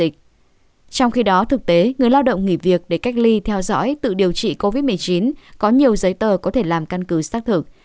trong khi đó thực tế người lao động nghỉ việc để cách ly theo dõi tự điều trị covid một mươi chín có nhiều giấy tờ có thể làm căn cứ xác thực